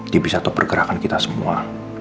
dia bisa tau pergerakan kita semua